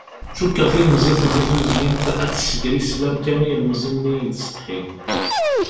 Cukkeɣ tilemẓit-nni tuzyint ad s-tessegri sslam kan i ilemẓi-nni yettsetḥin.